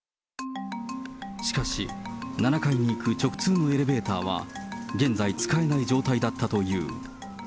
しかし、７階に行く直通のエレベーターは現在使えない状態だったという。